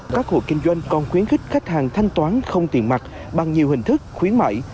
các hộ kinh doanh còn khuyến khích khách hàng thanh toán không tiền mặt bằng nhiều hình thức khuyến mại